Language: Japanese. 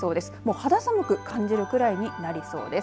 肌寒く感じるくらいになりそうです。